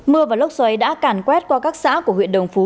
mưa và lốc xoáy đã càn quét qua các xã của huyện đồng phú